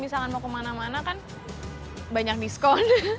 bisa akan mau kemana mana kan banyak diskon